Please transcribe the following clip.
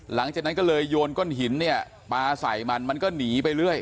หลังจากนั้นก็เลยโยนก้อนหินเนี่ยปลาใส่มันมันก็หนีไปเรื่อย